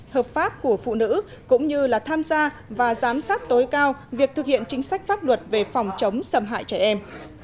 hợp pháp của phụ nữ cũng như là tham gia và giám sát tối cao việc thực hiện chính sách pháp luật về phòng chống xâm hại trẻ em